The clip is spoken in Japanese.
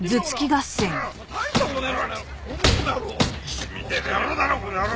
石みてえな野郎だなこの野郎！